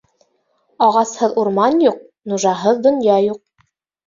Ағасһыҙ урман юҡ, нужаһыҙ донъя юҡ.